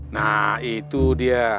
nah itu dia